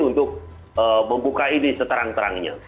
untuk membuka ini seterang terangnya